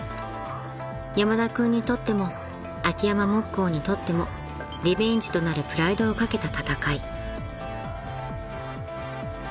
［山田君にとっても秋山木工にとってもリベンジとなるプライドを懸けた戦い］